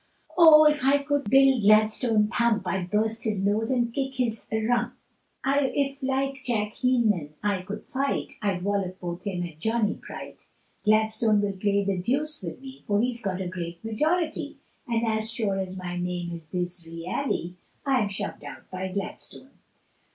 Oh! if I could Bill Gladstone thump, I'd burst his nose, and kick his r p; If like Jack Heenan I could fight, I'd wollop both him and Johnny Bright. Gladstone will play the deuce with me, For he's got a great majority, And as sure as my name is Disreali, I am shoved out by Gladstone.